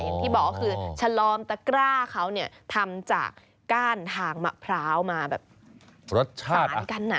อย่างที่บอกก็คือชะลอมตะกร้าเขาเนี่ยทำจากก้านทางมะพร้าวมาแบบรสชาติสารกัน